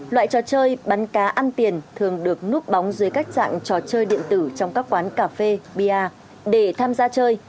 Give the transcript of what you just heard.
loại trò chơi bắn cá ăn tiền thường được núp bóng dưới các dạng trò chơi điện tử trong các quán cà phê biar để tham gia chơi